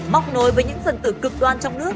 móc nối với những phần tử cực đoan trong nước